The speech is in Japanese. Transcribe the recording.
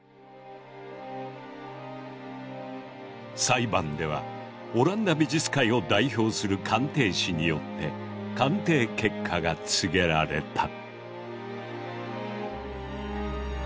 裁判ではオランダ美術界を代表する鑑定士によって鑑定結果が告げられた。